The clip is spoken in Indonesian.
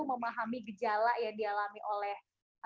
memahami gejala yang dialami oleh